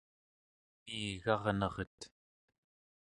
pengigarneret